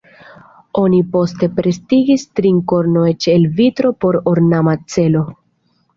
Oni poste pretigis trink-kornon eĉ el vitro por ornama celo.